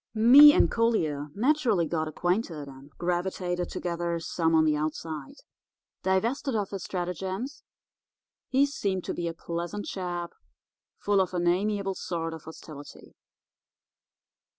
"Me and Collier naturally got acquainted, and gravitated together some on the outside. Divested of his stratagems, he seemed to be a pleasant chap, full of an amiable sort of hostility.